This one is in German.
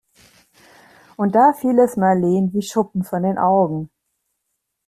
Und da fiel es Marleen wie Schuppen von den Augen.